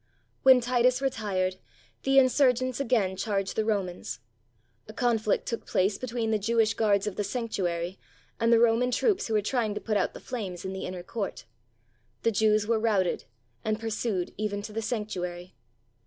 When Titus retired, the insurgents again charged the Romans. A conflict took place between the Jewish guards of the sanctuary and the Roman troops who were trying to put out the flames in the inner court. The Jews were routed, and pursued even to the sanctuary.